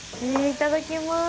いただきます。